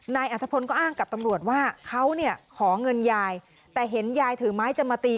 นายอัธพลก็อ้างกับตำรวจว่าเขาเนี่ยขอเงินยายแต่เห็นยายถือไม้จะมาตี